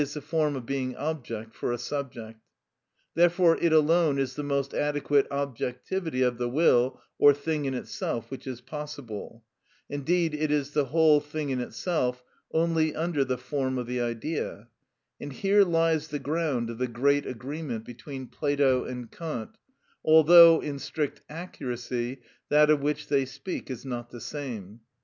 _, the form of being object for a subject. Therefore it alone is the most adequate objectivity of the will or thing in itself which is possible; indeed it is the whole thing in itself, only under the form of the idea; and here lies the ground of the great agreement between Plato and Kant, although, in strict accuracy, that of which they speak is not the same.